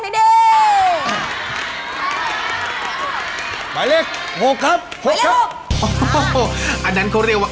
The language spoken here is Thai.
ข้ำของลงแคียบมาก